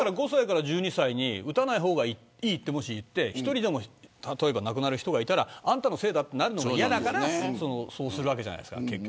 ５歳から１２歳に打たない方がいいってもし言って一人でも亡くなる人がいたらあんたのせいだってなるのが嫌だからそうするわけじゃないですか。